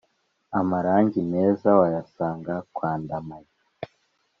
Amarangi meza wayasanga kwandamage